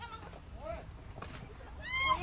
อะไร